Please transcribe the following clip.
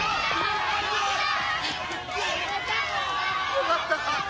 よかった！